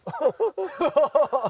ハハハハッ。